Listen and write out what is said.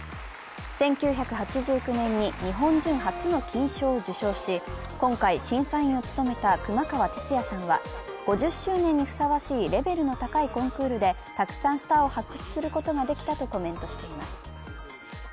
１９８９年に日本人初の金賞を受賞し、今回審査員を務めた熊川哲也さんは、５０周年にふさわしいレベルの高いコンクールでたくさんスターを発掘することができたとコメントしています。